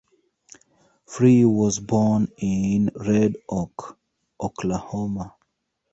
Free was born in Red Oak, Oklahoma.